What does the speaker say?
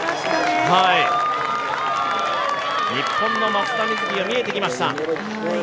日本の松田瑞生が見えてきました。